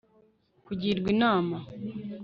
kugirwa inama